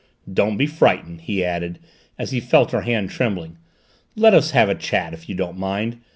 "Don't be frightened," he added as he felt her hand trembling. "Let us have a chat, if you don't mind!